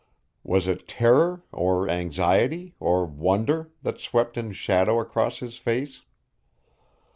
Was it terror, or anxiety, or wonder, that swept in shadow across his face?